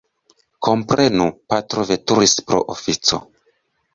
Komprenu, patro veturis pro oﬁco.